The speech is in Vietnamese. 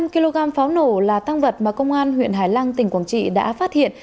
năm kg pháo nổ là tăng vật mà công an huyện hải lăng tỉnh quảng trị đã phát hiện